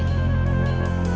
kalau sampai polisi datang